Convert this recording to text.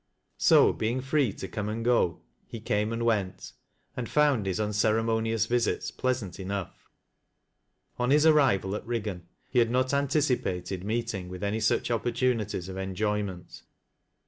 So, bei)ig free to come and go, he came and went, and found his ajiceremonious visits pleasant enough. On his arrival at Eiiggan, he had not anticipated meeting with any such opportunities of enjoyment.